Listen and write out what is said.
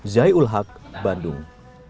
zai ul haq bandung